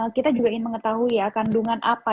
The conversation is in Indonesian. kita juga ingin mengetahui ya kandungan apa